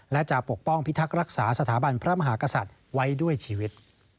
และจะปกป้องพิทักษ์รักษาสถาบันพระมหากษัตริย์ไว้ด้วยชีวิต